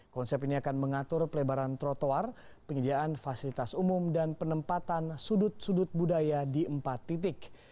konsep ini akan mengatur pelebaran trotoar penyediaan fasilitas umum dan penempatan sudut sudut budaya di empat titik